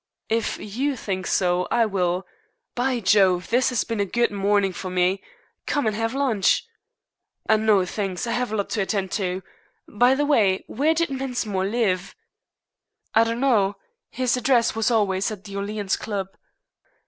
"If you think so, I will. By Jove, this has been a good morning for me. Come and have lunch." "No, thanks. I have a lot to attend to. By the way, where did Mensmore live?" "I don't know. His address was always at the Orleans Club."